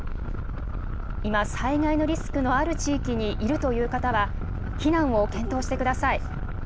今、災害のリスクのある地域にいるという方は、避難を検討してください。